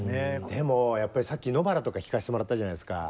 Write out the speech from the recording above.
でもさっき「野ばら」とか聴かしてもらったじゃないですか。